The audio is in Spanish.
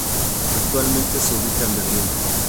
Actualmente se ubica en Berlín.